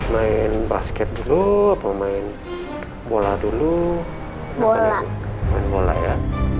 main basket dulu apa main bola dulu main bola ya